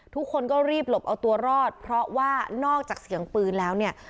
ทุกคนก็รีบหลบเอาตัวรอดเพราะว่านอกจากเสียงปืนแล้วเนี่ย